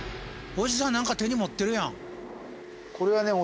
おじさん何か手に持ってるやん。